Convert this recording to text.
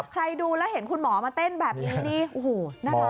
ใครดูแล้วเห็นคุณหมอมาเต้นแบบนี้นี่โอ้โหน่ารัก